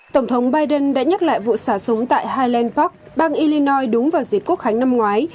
tổng thống biden đã nhắc lại vụ xả súng tại highland park bang illinois đúng vào dịp quốc hành năm ngoái